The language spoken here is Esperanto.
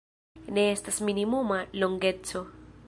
Ne estas minimuma longeco.